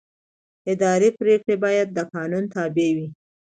اداري پرېکړه باید د قانون تابع وي.